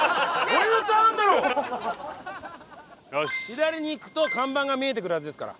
左に行くと看板が見えてくるはずですから。